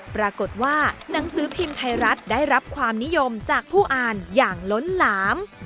ปรากฏว่าหนังสือพิมพ์ไทยรัฐได้รับความนิยมจากผู้อ่านอย่างล้นหลาม